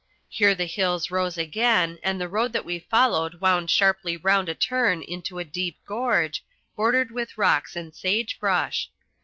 Here the hills rose again and the road that we followed wound sharply round a turn into a deep gorge, bordered with rocks and sage brush.